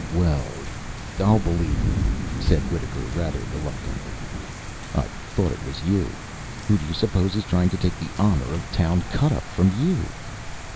"Well, I'll believe you," said Wittaker rather reluctantly. "I thought it was you. Who do you suppose is trying to take the honor of town cut up from you?"